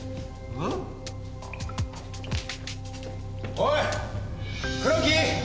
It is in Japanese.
おい黒木！